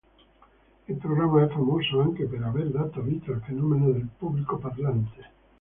Il programma è famoso anche per aver dato vita al fenomeno del pubblico parlante.